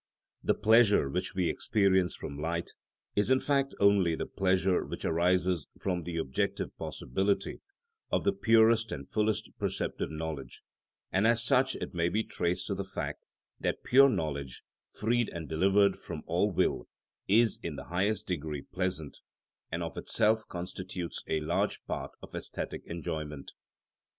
The pleasure which we experience from light is in fact only the pleasure which arises from the objective possibility of the purest and fullest perceptive knowledge, and as such it may be traced to the fact that pure knowledge, freed and delivered from all will, is in the highest degree pleasant, and of itself constitutes a large part of æsthetic enjoyment.